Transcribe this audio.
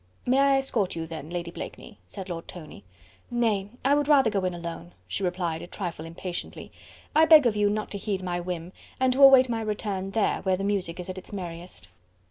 "May I escort you then, Lady Blakeney?" said Lord Tony. "Nay! I would rather go in alone," she replied a trifle impatiently. "I beg of you not to heed my whim, and to await my return, there, where the music is at its merriest."